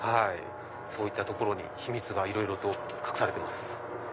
そういったところに秘密がいろいろと隠されてます。